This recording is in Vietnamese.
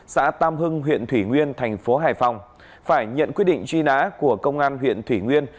xã tam hưng huyện thủy nguyên thành phố hải phòng phải nhận quyết định truy nã của công an huyện thủy nguyên